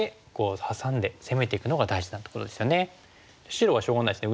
白はしょうがないですね。